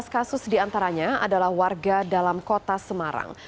enam ratus empat belas kasus di antaranya adalah warga dalam kota semarang